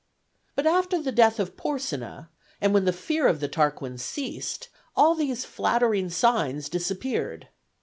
But after the death of Porsenna, and when the fear of the Tarquins ceased, all these flattering signs disappeared.